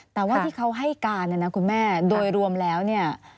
แต่ว่าที่เขาให้การเนี่ยนะคุณแม่โดยรวมแล้วเนี่ย